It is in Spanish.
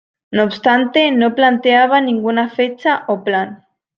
No obstante, no planteaba ninguna fecha o plan.